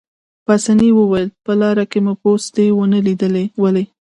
پاسیني وویل: په لاره کې مو پوستې ونه لیدې، ولې؟